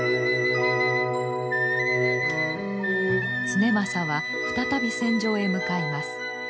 経正は再び戦場へ向かいます。